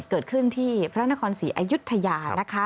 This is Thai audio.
เกิดขึ้นที่พระนครศรีอายุทยานะคะ